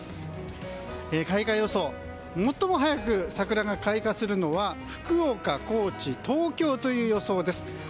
最も早く桜が開花するのは福岡、高知、東京という予想です。